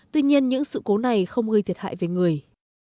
tuy nhiên những sự cố này không gây thiệt hại về người